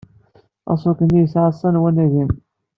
Aṣuk-nni yesɛa sa n wannagen.